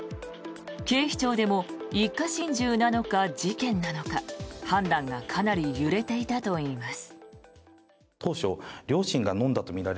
警視庁でも一家心中なのか事件なのか判断がかなり揺れていたといいます。